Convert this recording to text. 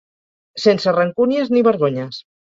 Sense rancúnies ni vergonyes.